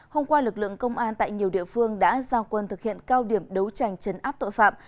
hôm qua lực lượng công an tại nhiều địa phương đã giao quân thực hiện cao điểm đấu tranh chấn áp tội phạm